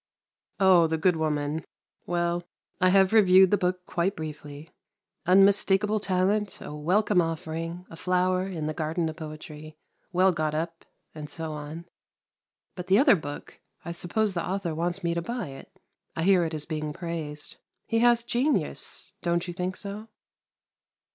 "' Oh, the good woman. Well, I have reviewed the book quite briefly. Unmistakable talent — a welcome offering — a flower in the garden of poetry— well got up — and so on. But the other book! I suppose the author wants me to buy it. I hear it is being praised. He has genius, don't you think so